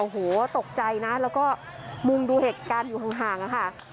โอ้โหตกใจนะแล้วก็มุงดูเหตุการณ์อยู่ห่างค่ะ